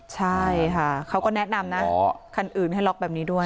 ใช่ค่ะเขาก็แนะนำนะคันอื่นให้ล็อกแบบนี้ด้วย